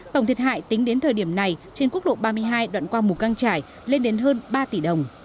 tổng thiệt hại tính đến thời điểm này trên quốc lộ ba mươi hai đoạn qua mù căng trải lên đến hơn ba tỷ đồng